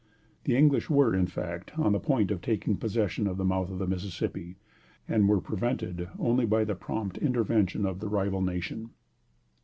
The English were, in fact, on the point of taking possession of the mouth of the Mississippi, and were prevented only by the prompt intervention of the rival nation.